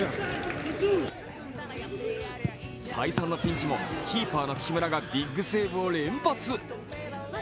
再三のピンチも、キーパーの木村がビッグセーブを連発。